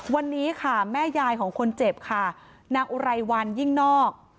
วันนี้ค่ะแม่ยายของคนเจ็บค่ะนางอุไรวันยิ่งนอก